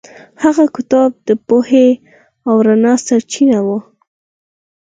هغه کتاب د پوهې او رڼا سرچینه وه.